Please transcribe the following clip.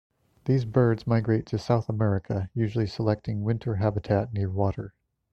These birds migrate to South America, usually selecting winter habitat near water.